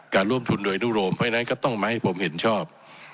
ร่วมทุนโดยนุโรมเพราะฉะนั้นก็ต้องมาให้ผมเห็นชอบ